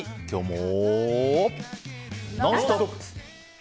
「ノンストップ！」。